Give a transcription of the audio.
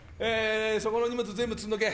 そこの荷物全部積んどけ。